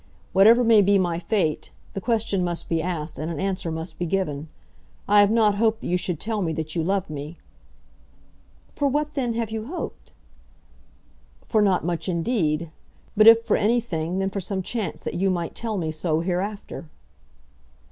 Whatever may be my fate, the question must be asked, and an answer must be given. I have not hoped that you should tell me that you loved me " "For what then have you hoped?" "For not much, indeed; but if for anything, then for some chance that you might tell me so hereafter."